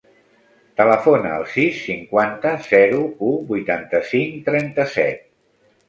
Telefona al sis, cinquanta, zero, u, vuitanta-cinc, trenta-set.